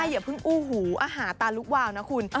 ใช่อย่าพึ่งอู้หูตาลุกวาวนะคุณ